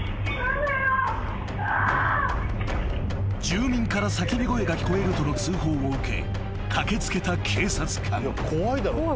［住民から叫び声が聞こえるとの通報を受け駆け付けた警察官］